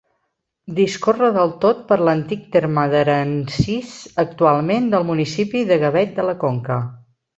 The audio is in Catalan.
Discorre del tot per l'antic terme d'Aransís, actualment del municipi de Gavet de la Conca.